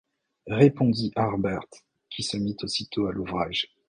répondit Harbert, qui se mit aussitôt à l’ouvrage